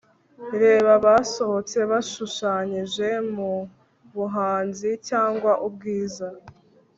reba basohotse bashushanyije, mubuhanzi cyangwa ubwiza